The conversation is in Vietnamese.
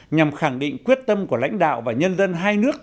nhằm khẳng định quyết tâm của lãnh đạo và nhân dân hai nước